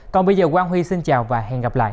còn bây giờ quang huy xin chào và hẹn gặp lại